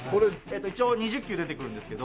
一応２０球出てくるんですけど。